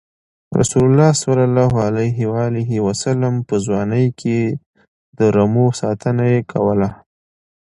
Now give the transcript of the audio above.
رسول الله ﷺ په ځوانۍ کې د رمو ساتنه یې کوله.